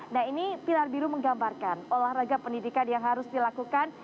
nah ini pilar biru menggambarkan olahraga pendidikan yang harus dilakukan